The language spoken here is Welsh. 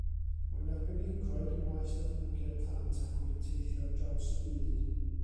Mae'n arbenigwraig ym maes datblygiad plant ac wedi teithio ar draws y byd.